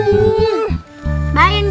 ini rasulullah kan biasanya nyari juga